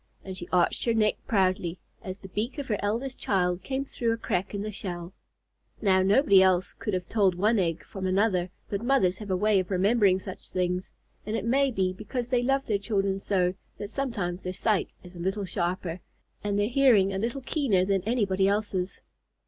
And she arched her neck proudly, as the beak of her eldest child came through a crack in the shell. Now nobody else could have told one egg from another, but mothers have a way of remembering such things, and it may be because they love their children so that sometimes their sight is a little sharper, and their hearing a little keener than anybody else's.